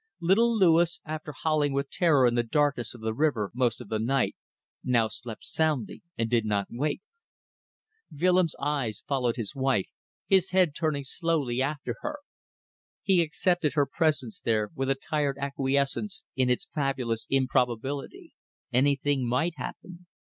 Little Louis, after howling with terror in the darkness of the river most of the night, now slept soundly and did not wake. Willems' eyes followed his wife, his head turning slowly after her. He accepted her presence there with a tired acquiescence in its fabulous improbability. Anything might happen.